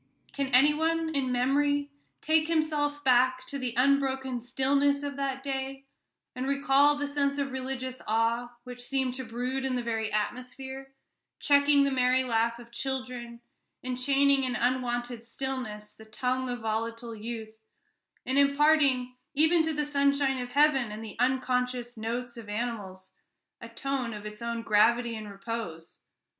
Can any one, in memory, take himself back to the unbroken stillness of that day, and recall the sense of religious awe which seemed to brood in the very atmosphere, checking the merry laugh of childhood, and chaining in unwonted stillness the tongue of volatile youth, and imparting even to the sunshine of heaven, and the unconscious notes of animals, a tone of its own gravity and repose?